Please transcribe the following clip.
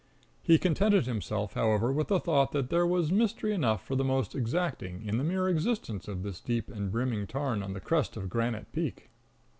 He contented himself, however, with the thought that there was mystery enough for the most exacting in the mere existence of this deep and brimming tarn on the crest of a granite peak.